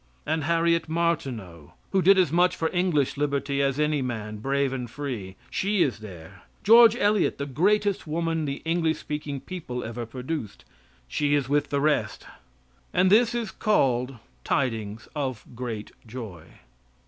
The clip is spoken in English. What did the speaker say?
And Harriet Martineau, who did as much for English liberty as any man, brave and free she is there. "George Eliot," the greatest woman the English speaking people ever produced she is with the rest. And this is called "Tidings of great joy."